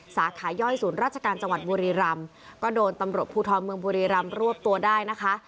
สาขาย่อยศูนย์ราชกรรมัดบุรีรัมน์ก็โดนตำรวจผู้ท้องบุรีรัมน์รวบตัวได้นะคะ